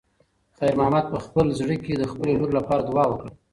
خیر محمد په خپل زړه کې د خپلې لور لپاره دعا وکړه.